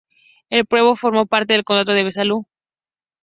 El pueblo formó parte del condado de Besalú.